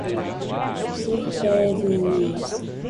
superveniência